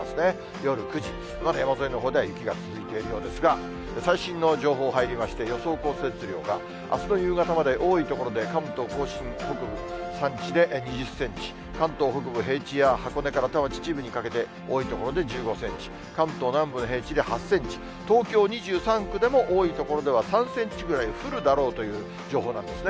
夜９時、まだ山沿いのほうでは雪が続いているようですが、最新の情報入りまして、予想降雪量が、あすの夕方まで多い所で、関東甲信、北部、山地で２０センチ、関東北部平地や箱根から多摩、秩父にかけて、１５センチ、関東南部の平地で８センチ、東京２３区でも多い所では３センチぐらい降るだろうという情報なんですね。